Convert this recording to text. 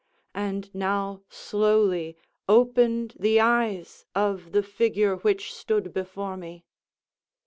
_ And now slowly opened the eyes of the figure which stood before me.